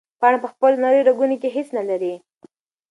پاڼه په خپلو نریو رګونو کې هیڅ نه لري.